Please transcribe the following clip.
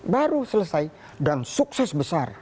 baru selesai dan sukses besar